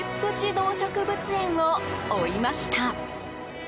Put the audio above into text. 動植物園を追いました。